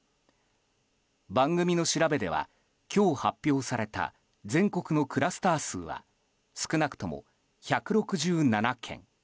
番組の調べでは、今日発表された全国のクラスター数は少なくとも１６７件。